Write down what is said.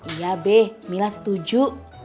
iya be mila setuju